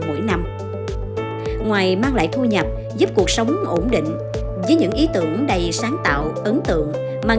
mỗi năm ngoài mang lại thu nhập giúp cuộc sống ổn định với những ý tưởng đầy sáng tạo ấn tượng mang